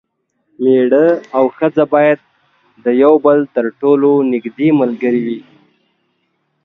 میړه او ښځه باید د یو بل تر ټولو نږدې ملګري وي.